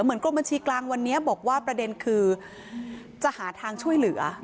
กรมบัญชีกลางวันนี้บอกว่าประเด็นคือจะหาทางช่วยเหลือ